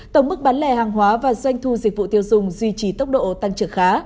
tổng mức bán lẻ hàng hóa và doanh thu dịch vụ tiêu dùng duy trì tốc độ tăng trưởng khá